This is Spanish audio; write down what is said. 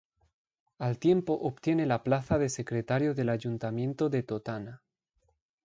Al tiempo obtiene la plaza de Secretario del Ayuntamiento de Totana.